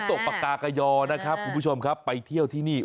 ตกปากกากยอนะครับคุณผู้ชมครับไปเที่ยวที่นี่